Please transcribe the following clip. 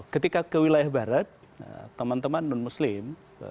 ketika ke wilayah barat teman teman non muslim